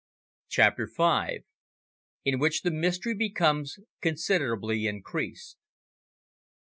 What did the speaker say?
CHAPTER FIVE. IN WHICH THE MYSTERY BECOMES CONSIDERABLY INCREASED.